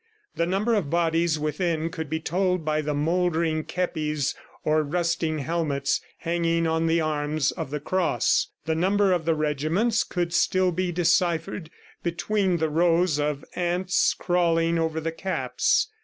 The number of bodies within could be told by the mouldering kepis or rusting helmets hanging on the arms of the cross; the number of the regiments could still be deciphered between the rows of ants crawling over the caps.